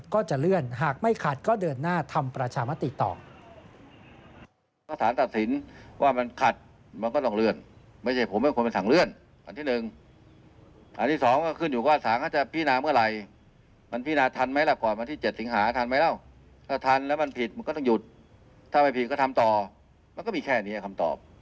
ก็จะเลื่อนหากไม่ขัดก็เดินหน้าทำประชามติต่อ